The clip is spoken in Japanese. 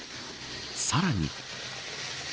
さらに。